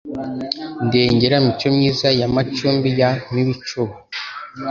Ndengere Micomyiza Ya Macumbi ya Mpibicuba,